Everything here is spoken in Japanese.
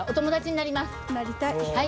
なりたい。